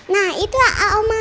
nah itu a a uma